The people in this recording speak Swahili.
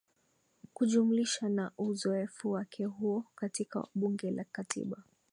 Kujumlisha na uzoefu wake huo katika Bunge la Katiba